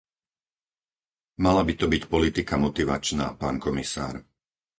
Mala by to byť politika motivačná, pán komisár.